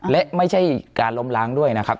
และไม่ใช่การล้มล้างด้วยนะครับ